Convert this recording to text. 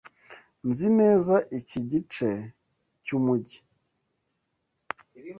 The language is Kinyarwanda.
Nzi neza iki gice cyumujyi.